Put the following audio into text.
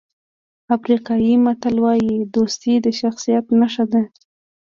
افریقایي متل وایي دوستي د شخصیت نښه ده.